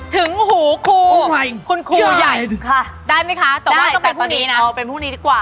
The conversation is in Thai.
ถึงหูครูคุณครูใหญ่ใช่มั้ยคะตรงนี้นะอ๋อเป็นพรุ่งนี้ดีกว่า